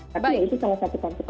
tapi itu salah satu konsekuensinya